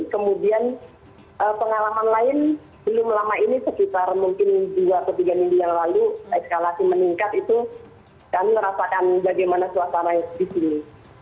kemudian pengalaman lain belum lama ini sekitar mungkin dua atau tiga minggu yang lalu eskalasi meningkat itu kami merasakan bagaimana suasana di sini